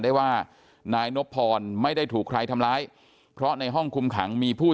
ได้ว่านายนบพรไม่ได้ถูกใครทำร้ายเพราะในห้องคุมขังมีผู้